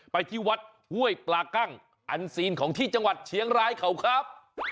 ไปที่วัดห้วยปลากั้งอันซีนของที่จังหวัดเชียงรายเขาครับ